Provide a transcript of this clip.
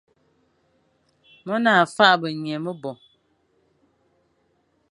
Mone a faghbe nya mebo,